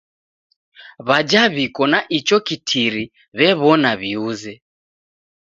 W'aja w'iko na icho kitiri w'ew'ona w'iuze.